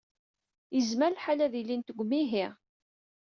Yezmer lḥal ad ilint deg umihi.